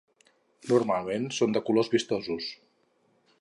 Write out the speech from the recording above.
Normalment són de colors vistosos.